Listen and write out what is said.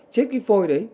chết khi phôi đấy